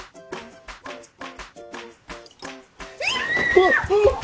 うわっうわっ！